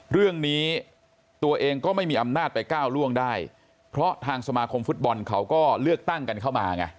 เรื่องนี้ตัวเองก็ไม่มีอำนาจไปก้าวล่วงได้เพราะทางสมาคมฟุตบอลเขาก็เลือกตั้งกันเข้ามาไง